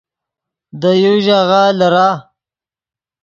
دے یو ژاغہ لیرہ